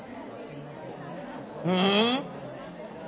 うん？